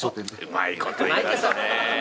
うまいこと言いますね。